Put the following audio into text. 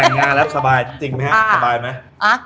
แต่งงานแล้วสบายจริงไหมฮะสบายไหม